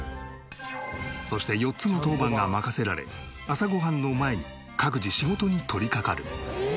そして４つの当番が任せられ朝ご飯の前に各自仕事に取りかかる。